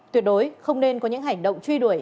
tuyệt đối không nên có những hành động truy đuổi